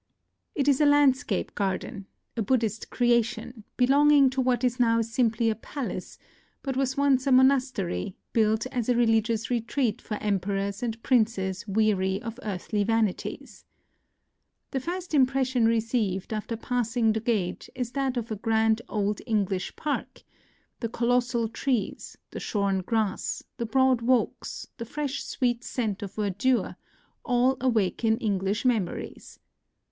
It is a landscape garden, — a Buddhist creation, belonging to what is now simply a palace, but was once a monastery, built as a religious retreat for emperors and princes weary of earthly vanities. The first impres sion received after passing the gate is that of a grand old English park : the colossal trees, the shorn grass, the broad walks, the fresh sweet scent of verdure, all awaken English 50 NOTES OF A TRIP TO KYOTO memories.